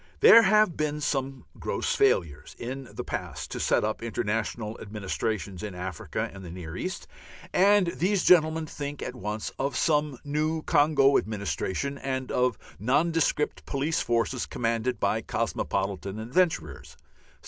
There have been some gross failures in the past to set up international administrations in Africa and the Near East. And these gentlemen think at once of some new Congo administration and of nondescript police forces commanded by cosmopolitan adventurers.